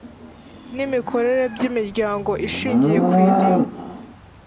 n imikorere by imiryango ishingiye ku idini